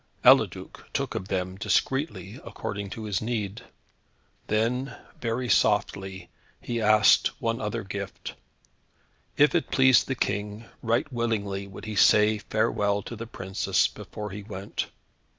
Eliduc took of them discreetly, according to his need. Then, very softly, he asked one other gift. If it pleased the King, right willingly would he say farewell to the princess, before he went.